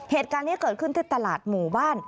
เหตุการณ์นี้เกิดขึ้นที่ตลาดหมู่บ้าน